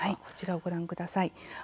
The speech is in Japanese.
こちらをご覧ください。